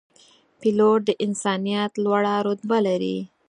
پیلوټ د انسانیت لوړه رتبه لري.